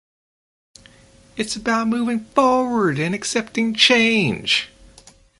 It’s about moving forward and accepting change.